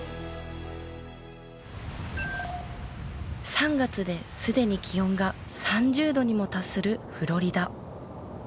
３月ですでに気温が３０度にも達するフロリダ。